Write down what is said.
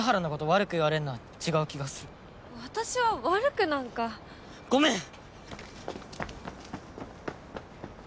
悪く言われんのは違う気がする私は悪くなんかごめん！